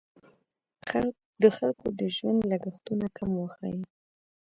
د خلکو د ژوند لګښتونه کم وښیي.